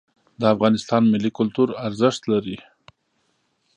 د افغانستان ملي کلتور ارزښت لري.